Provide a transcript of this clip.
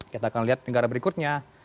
kita akan lihat negara berikutnya